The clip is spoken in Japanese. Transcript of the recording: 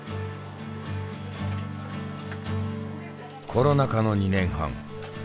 コロナ禍の２年半。